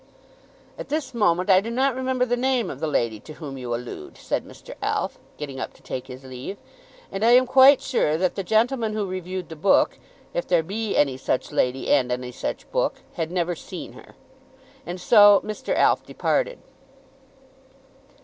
"] "At this moment I do not remember the name of the lady to whom you allude," said Mr. Alf, getting up to take his leave; "and I am quite sure that the gentleman who reviewed the book, if there be any such lady and any such book, had never seen her!" And so Mr. Alf departed.